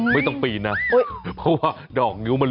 ไม่ต้องปีนนะเพราะว่าดอกนิ้วมัน